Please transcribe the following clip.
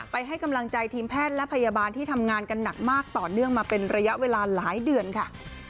ให้กำลังใจทีมแพทย์และพยาบาลที่ทำงานกันหนักมากต่อเนื่องมาเป็นระยะเวลาหลายเดือนค่ะ